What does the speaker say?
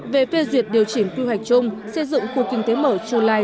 về phê duyệt điều chỉnh quy hoạch chung xây dựng khu kinh tế mở chu lai